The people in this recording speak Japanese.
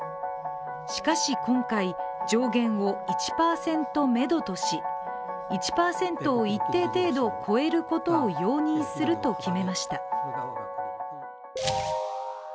しかし今回、上限を１％めどとし１％を一定程度越えることを容認すると決めました。